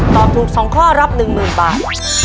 ตอบถูก๒ข้อรับ๑๐๐๐บาท